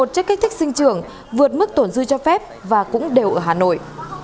một chất kích thích sinh trường vượt mức tổn dư cho phép và cũng đều ở hà nội